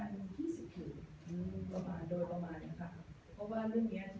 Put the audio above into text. ที่สิบถึงอืมประมาณโดยประมาณนะคะเพราะว่าเรื่องนี้อาทิตย์